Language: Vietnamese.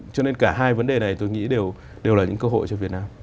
cho nên cả hai vấn đề này tôi nghĩ đều là những cơ hội cho việt nam